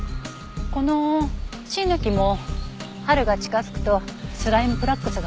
このシイの木も春が近づくとスライム・フラックスが起きる。